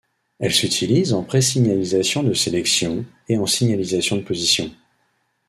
Elles s’utilisent en présignalisation de sélection et en signalisation de position.